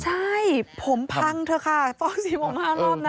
ใช่ผมพังเถอะค่ะฟอกสีผม๕รอบนะ